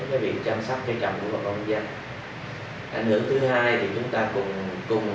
mua về bón cho cây trồng làm hư hỏng vườn cây và rụng trái gây thiệt hại nặng nề cho nông dân